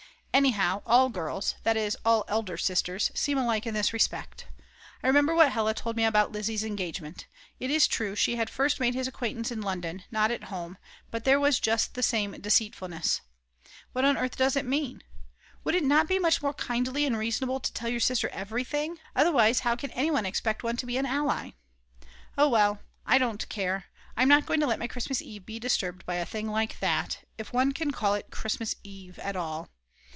Anyhow, all girls, that is all elder sisters, seem alike in this respect. I remember what Hella told me about Lizzi's engagement. It is true, she had first made his acquaintance in London, not at home; but there was just the same deceitfulness. What on earth does it mean? Would it not be much more kindly and reasonable to tell your sister everything? Otherwise how can anyone expect one to be an ally. Oh well, I don't care, I'm not going to let my Christmas Eve be disturbed by a thing like that; if one can call it a Christmas Eve at all.